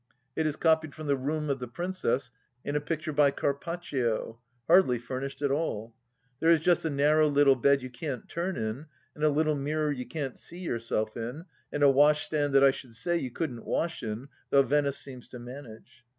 It is copied from the room of the Princess in a picture by Carpaccio ; hardly furnished at all. There is just a narrow little bed you can't turn in, and a little mirror you can't see yourself in, and a washstand that I should say you couldn't wash in, though Venice seems to manage.